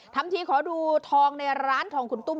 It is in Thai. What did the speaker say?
ทำทีขอดูทองในร้านทองคุณตุ้ม